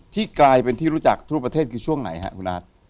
ที่กลายเป็นที่รู้จักทั่วประเทศคือช่วงไหนครับคุณอาร์ต